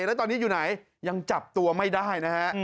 แล้วตอนนี้อยู่ไหนยังจับตัวไม่ได้นะฮะ